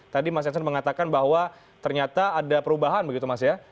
tadi mas jansen mengatakan bahwa ternyata ada perubahan begitu mas ya